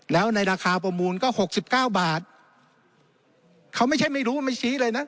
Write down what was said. แล้วในราคาประมูลก็หกสิบเก้าบาทเขาไม่ใช่ไม่รู้ว่าไม่ชี้เลยนะ